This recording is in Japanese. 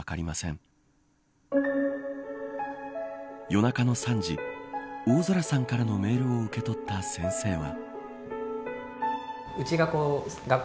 夜中の３時、大空さんからのメールを受け取った先生は。